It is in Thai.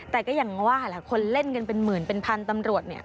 แต่ก็อย่างว่าแหละคนเล่นกันเป็นหมื่นเป็นพันธุ์ตำรวจเนี่ย